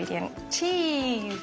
チーズ！